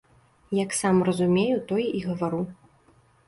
Як сам разумею, тое і гавару.